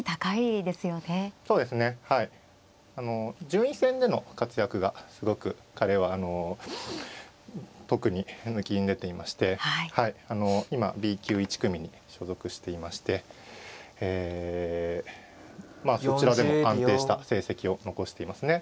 順位戦での活躍がすごく彼はあの特にぬきんでていまして今Ｂ級１組に所属していましてえまあそちらでも安定した成績を残していますね。